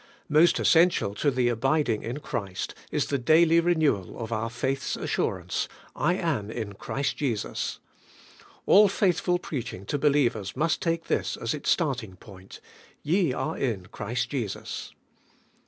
Most essential to the abiding in Christ is the daily renewal of our faith's assurance, 'I am in Christ Jesus.' All fruit ful preaching to believers must take this as its start ing point: 'Ye are in Christ Jesus.'